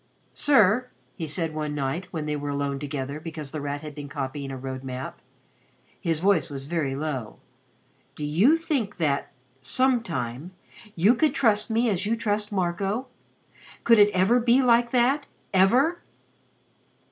"Sir," he said one night when they were alone together, because The Rat had been copying a road map. His voice was very low "do you think that sometime you could trust me as you trust Marco? Could it ever be like that ever?"